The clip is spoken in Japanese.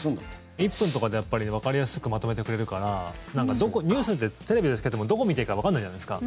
１分とかでわかりやすくまとめてくれるからニュースって、テレビでつけてもどこを見ていいかわからないじゃないですか。